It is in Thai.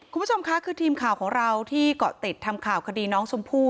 คุณผู้ชมค่ะคือทีมข่าวของเราที่เกาะติดทำข่าวคดีน้องชมพู่